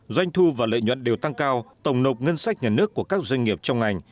doanh thu và lợi nhuận đều tăng cao tổng nộp ngân sách nhà nước của các doanh nghiệp trong ngành